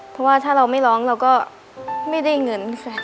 เพราะว่าถ้าเราไม่ร้องเราก็ไม่ได้เงินค่ะ